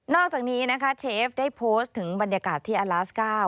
อกจากนี้นะคะเชฟได้โพสต์ถึงบรรยากาศที่อลาส๙